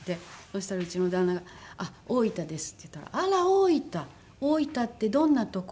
そしたらうちの旦那が「あっ大分です」って言ったら「あら大分？大分ってどんなとこ？